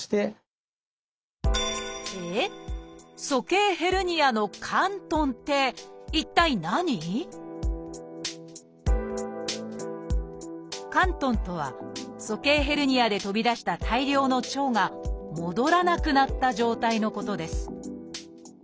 鼠径ヘルニアの「嵌頓」とは鼠径ヘルニアで飛び出した大量の腸が戻らなくなった状態のことです。